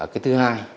cái thứ hai